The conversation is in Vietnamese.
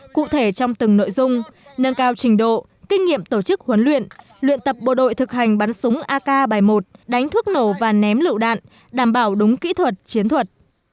cụ thể trong từng nội dung nâng cao trình độ kinh nghiệm tổ chức huấn luyện luyện tập bộ đội thực hành bắn súng ak bảy mươi một đánh thuốc nổ và ném lựu đạn đảm bảo đúng kỹ thuật chiến thuật